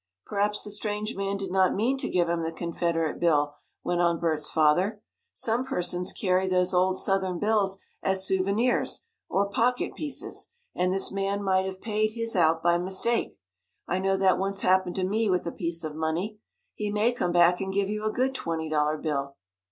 "Perhaps the strange man did not mean to give him the Confederate bill," went on Bert's father. "Some persons carry those old Southern bills as souvenirs, or pocket pieces, and this man might have paid his out by mistake. I know that once happened to me with a piece of money. He may come back and give you a good twenty dollar bill."